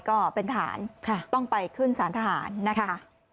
ก็เป็นฐานต้องไปขึ้นสาธารณะค่ะ